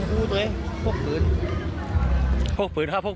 ระเช็ดโดนยิงระเช็ดโดนยิง